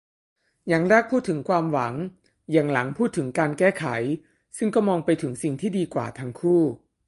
อย่างแรกพูดถึงความหวัง อย่างหลังพูดถึงการแก้ไข - ซึ่งก็มองไปถึงสิ่งที่ดีกว่าทั้งคู่